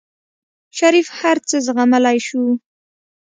شريف هر څه زغملی شو.